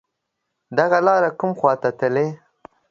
دغه لار کوم خواته تللی